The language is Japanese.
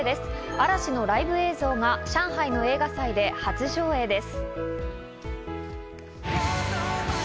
嵐のライブ映像が上海の映画祭で初上映です。